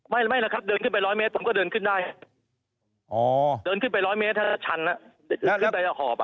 ไม่นะครับเดินขึ้นไป๑๐๐เมตรผมก็เดินขึ้นได้เดินขึ้นไป๑๐๐เมตรแล้วฉันขึ้นไปหอบ